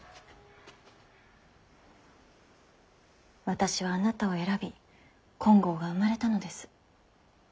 私はあなたを選び金剛が生まれたのです。